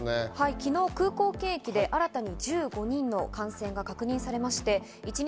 昨日、空港検疫で新たに１５人の感染が確認されています。